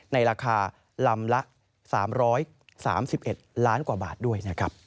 ในราคาลำละ๓๓๑ล้านกว่าบาทด้วย